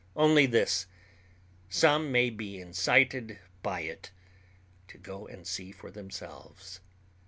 Only this: some may be incited by it to go and see for themselves.